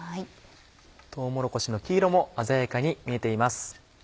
とうもろこしの黄色も鮮やかに見えています。